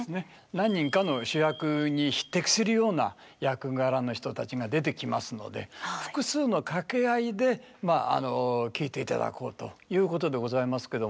何人かの主役に匹敵するような役柄の人たちが出てきますので複数の掛合で聴いていただこうということでございますけども。